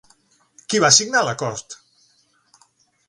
Qui va signar l'acord?